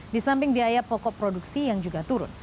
di samping biaya pokok produksi yang juga turun